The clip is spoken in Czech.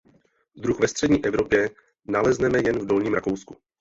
Druh ve Střední Evropě nalezneme jen v Dolním Rakousku.